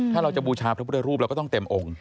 ถ้าเราจะบูชาพระพุทธรูปเราก็ต้องเต็มองค์